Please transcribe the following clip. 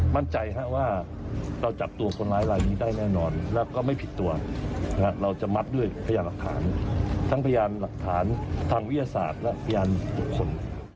มั่นใจว่าเราจับตัวคนร้ายลายนี้ได้แน่นอนแล้วก็ไม่ผิดตัวเราจะมัดด้วยพยานหลักฐานทั้งพยานหลักฐานทางวิทยาศาสตร์และพยานบุคคล